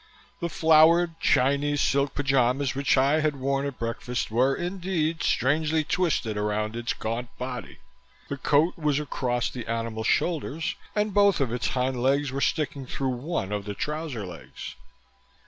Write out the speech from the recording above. The flowered Chinese silk pyjamas which I had worn at breakfast were indeed strangely twisted around its gaunt body. The coat was across the animal's shoulders and both of its hind legs were sticking through one of the trouser legs.